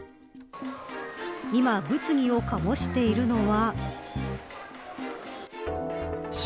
今、物議を醸しているのは。